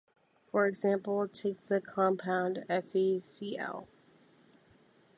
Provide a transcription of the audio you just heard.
For example, take the compound FeCl.